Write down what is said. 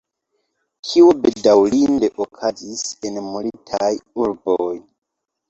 Tio bedaŭrinde okazis en multaj urboj.